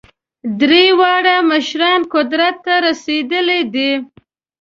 درې واړه مشران قدرت ته رسېدلي دي.